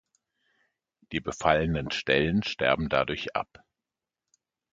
Die befallenen Stellen sterben dadurch ab.